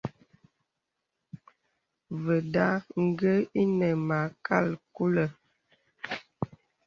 Və̀da gwe inə mâkal kulə̀.